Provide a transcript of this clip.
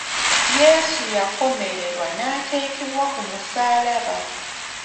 Yesu yakomererwa n’ateekebwa ku musaalaba.